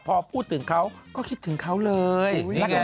พอพูดถึงเขาก็คิดถึงเขาเลย